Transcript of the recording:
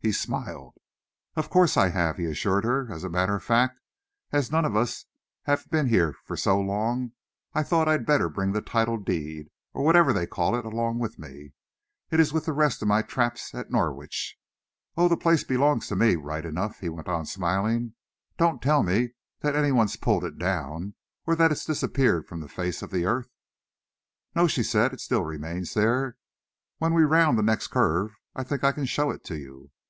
He smiled. "Of course I have," he assured her. "As a matter of fact, as none of us have been here for so long, I thought I'd better bring the title deed, or whatever they call it, along with me. It's with the rest of my traps at Norwich. Oh, the place belongs to me, right enough!" he went on, smiling. "Don't tell me that any one's pulled it down, or that it's disappeared from the face of the earth?" "No," she said, "it still remains there. When we are round the next curve, I think I can show it to you.